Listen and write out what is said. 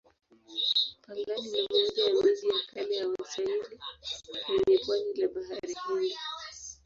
Pangani ni moja ya miji ya kale ya Waswahili kwenye pwani la Bahari Hindi.